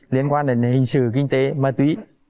liên quan đến hình sự kinh tế ma túy